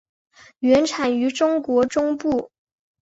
原产于中国中部。